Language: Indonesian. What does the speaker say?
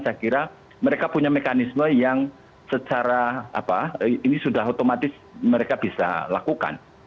saya kira mereka punya mekanisme yang secara apa ini sudah otomatis mereka bisa lakukan